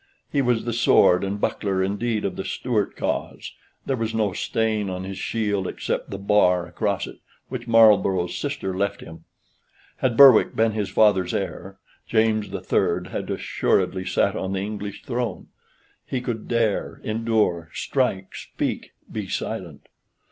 He was the sword and buckler indeed of the Stuart cause: there was no stain on his shield except the bar across it, which Marlborough's sister left him. Had Berwick been his father's heir, James the Third had assuredly sat on the English throne. He could dare, endure, strike, speak, be silent.